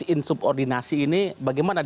insubordinasi ini bagaimana